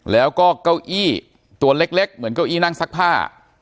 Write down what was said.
แล้วก็เก้าอี้ตัวเล็กเหมือนเก้าอี้นั่งซักผ้า